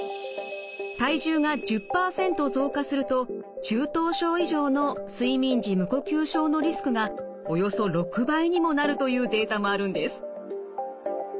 体重が１０％増加すると中等症以上の睡眠時無呼吸症のリスクがおよそ６倍にもなるというデータもあるんです。